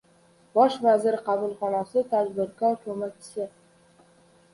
Bosh vazir qabulxonasi tadbirkor ko‘makchisi